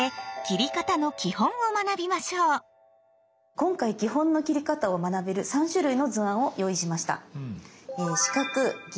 今回基本の切り方を学べる３種類の図案を用意しました。